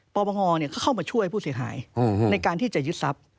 ปปงก็เข้ามาช่วยผู้เสียหายในการที่จะยึดทรัพย์